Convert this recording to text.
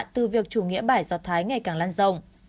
từ việc chủ nghĩa bải do thái ngày càng lan rộng